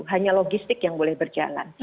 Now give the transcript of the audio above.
hanya logistik yang boleh berjalan